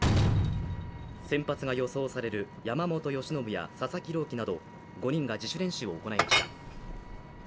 先発が予想される山本由伸や佐々木朗希など５人が自主練習を行いました。